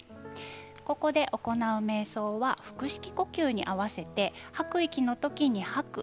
ここで行う、めい想は腹式呼吸に合わせて吐く息の時に吐く。